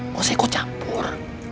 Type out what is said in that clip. masa aku campur